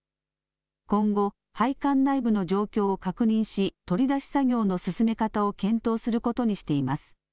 今後、配管内部の状況を確認し取り出し作業の進め方を検討することにしています。